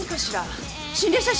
心霊写真？